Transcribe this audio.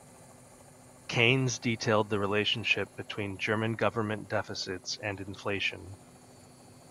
Keynes detailed the relationship between German government deficits and inflation.